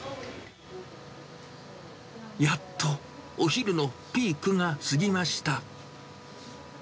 やっとお昼のピークが過ぎました。